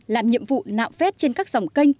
làm nhiệm vụ lạo vét trên các dòng kênh